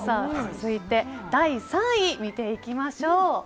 続いて第３位見ていきましょう。